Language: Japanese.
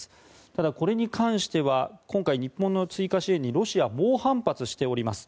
ただ、これに関しては今回日本の追加支援にロシアは猛反発しております。